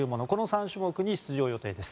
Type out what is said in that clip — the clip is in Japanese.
この３種目に出場予定。